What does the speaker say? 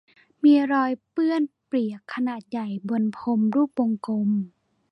มีรอยเปื้อนเปียกขนาดใหญ่บนพรมรูปวงกลม